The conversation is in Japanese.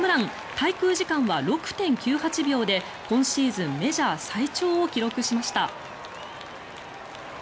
滞空時間は６．９８秒で今シーズンメジャー最長を記録しました。